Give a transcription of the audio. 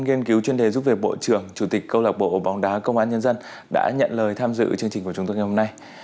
giúp về bộ trưởng chủ tịch câu lạc bộ bóng đá công an nhân dân đã nhận lời tham dự chương trình của chúng tôi ngày hôm nay